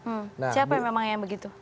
siapa yang memang yang begitu